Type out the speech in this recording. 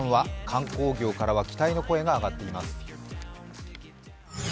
観光業からは期待の声が上がっています。